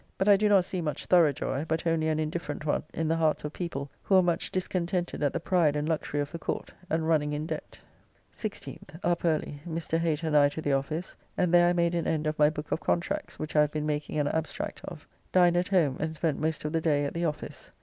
But I do not see much thorough joy, but only an indifferent one, in the hearts of people, who are much discontented at the pride and luxury of the Court, and running in debt. 16th. Up early, Mr. Hater and I to the office, and there I made an end of my book of contracts which I have been making an abstract of. Dined at home, and spent most of the day at the office.